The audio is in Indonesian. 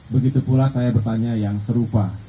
begitu pula saya bertanya yang serupa